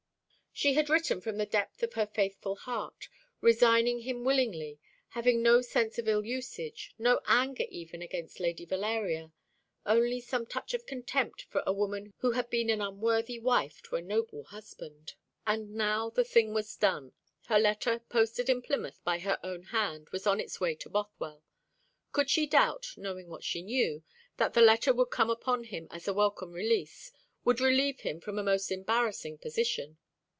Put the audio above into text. She had written from the depth of her faithful heart, resigning him willingly, having no sense of ill usage, no anger even against Lady Valeria: only some touch of contempt for a woman who had been an unworthy wife to a noble husband. And now the thing was done. Her letter, posted in Plymouth by her own hand, was on its way to Bothwell. Could she doubt, knowing what she knew, that the letter would come upon him as a welcome release, would relieve him from a most embarrassing position?